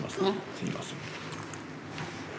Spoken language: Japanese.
すみません。